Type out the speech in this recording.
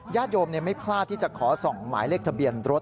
ญาติโยมไม่พลาดที่จะขอ๒หมายเลขทะเบียนรถ